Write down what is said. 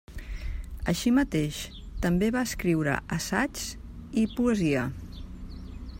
Així mateix, també va escriure assaigs i poesia.